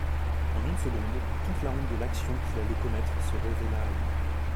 En une seconde, toute la honte de l'action qu'il allait commettre se révéla à lui.